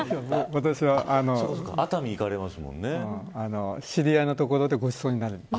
私は、知り合いのところでごちそうになる。